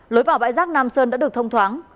lối vào bãi rác nam sơn đã được thông thoáng